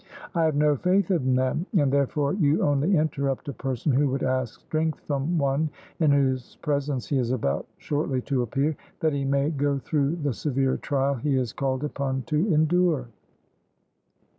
I have no faith in them, and, therefore, you only interrupt a person who would ask strength from One in whose presence he is about shortly to appear, that he may go through the severe trial he is called upon to endure."